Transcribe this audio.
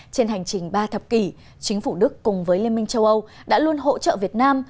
trên hành trình ba thập kỷ chính phủ đức cùng với liên minh châu âu đã luôn hỗ trợ việt nam